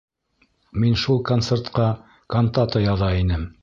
Мин шул концертҡа кантата яҙа инем!